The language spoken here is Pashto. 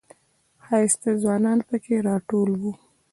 ښایسته ځوانان پکې راټول و.